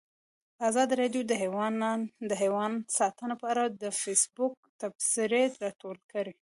ازادي راډیو د حیوان ساتنه په اړه د فیسبوک تبصرې راټولې کړي.